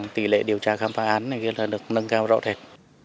tỷ lệ điều tra khám phá án được nâng cao rõ rệt